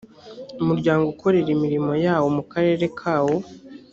umuryango ukorera imirimo yawo mu karere kawo.